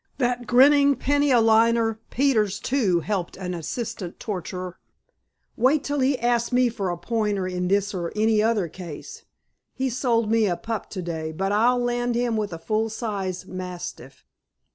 That grinning penny a liner, Peters, too, helped as assistant torturer. Wait till he asks me for a 'pointer' in this or any other case. He sold me a pup to day, but I'll land him with a full sized mastiff."